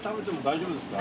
大丈夫です。